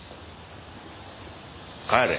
帰れ。